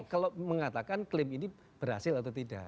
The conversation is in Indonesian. kalau mengatakan klaim ini berhasil atau tidak